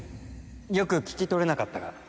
よく聞き取れなかったが。